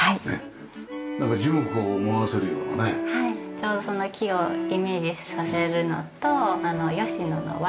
ちょうどそんな木をイメージさせるのとあの吉野のＹ。